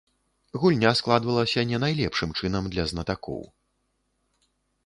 Гульня складвалася не найлепшым чынам для знатакоў.